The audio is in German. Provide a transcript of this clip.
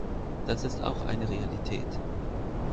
Das ist auch eine Realität.